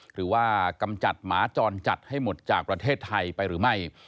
กำจัดหมาจรจัดให้หมดจากประเทศไทยไปหรือไม่